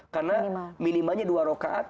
karena minimanya dua rokaat